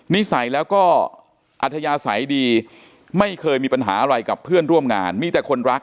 นิสัยแล้วก็อัธยาศัยดีไม่เคยมีปัญหาอะไรกับเพื่อนร่วมงานมีแต่คนรัก